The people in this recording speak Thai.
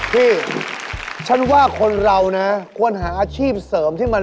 พี่ฉันว่าคนเรานะ